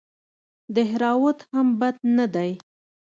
دهراوت هم بد نه دئ.